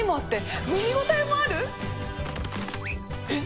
えっ！